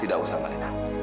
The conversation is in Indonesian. tidak usah malena